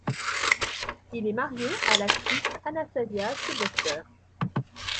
Il est marié à l'actrice Anastasia Sylvester.